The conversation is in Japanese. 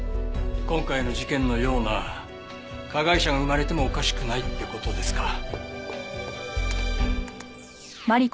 今回の事件のような加害者が生まれてもおかしくないって事ですか。